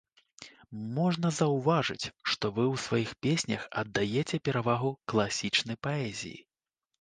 Можна заўважыць, што вы ў сваіх песнях аддаяце перавагу класічнай паэзіі.